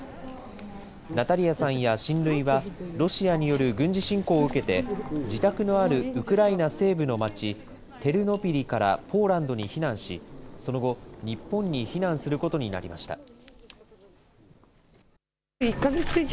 ナタリヤさんや親類は、ロシアによる軍事侵攻を受けて、自宅のあるウクライナ西部の街、テルノピリからポーランドに避難し、その後、日本に避難することになりました。